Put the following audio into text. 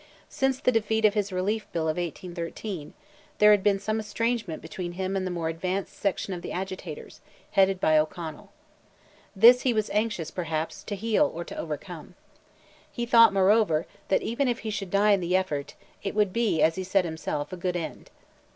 Since the defeat of his Relief Bill of 1813, there had been some estrangement between him and the more advanced section of the agitators, headed by O'Connell. This he was anxious, perhaps, to heal or to overcome. He thought, moreover, that even if he should die in the effort, it would be, as he said himself, "a good end."